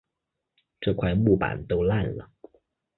这块木板都烂了